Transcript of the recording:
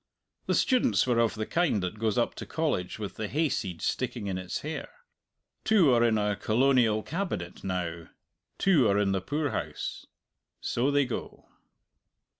The students were of the kind that goes up to College with the hayseed sticking in its hair. Two are in a Colonial Cabinet now, two are in the poorhouse. So they go.